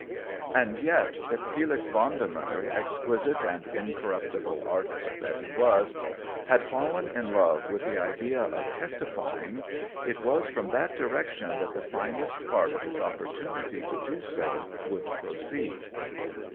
And yet if Felix Vendemer, ex quisite and incorruptible artist that he was, had fallen in love with the idea of " testify ing," it was from that direction that the finest part of his opportunity to do so would proceed.